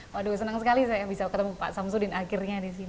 waduh senang sekali saya bisa ketemu pak samsudin akhirnya di sini